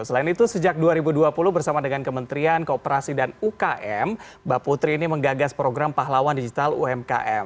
selain itu sejak dua ribu dua puluh bersama dengan kementerian kooperasi dan ukm mbak putri ini menggagas program pahlawan digital umkm